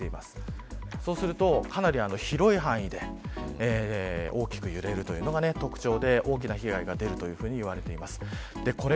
かなり広い範囲で大きく揺れるのが特徴で大きな被害が出ると言われています。